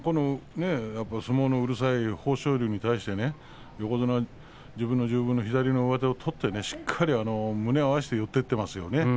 やっぱり相撲がうるさい豊昇龍に対して横綱は自分の十分の上手を取ってしっかりと胸を合わせて寄っていきますよね。